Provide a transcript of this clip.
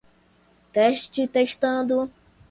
Teste testando